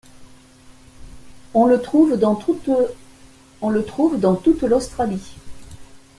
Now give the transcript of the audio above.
On le trouve dans toute l'Australie.